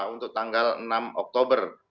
untuk tanggal enam oktober